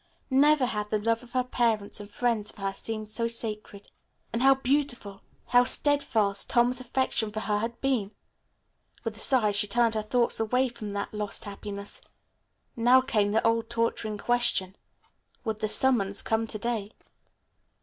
Never had the love of her parents and friends for her seemed so sacred. And how beautiful, how steadfast, Tom's affection for her had been! With a sigh she turned her thoughts away from that lost happiness. Now came the old torturing question, "Would the summons come to day?"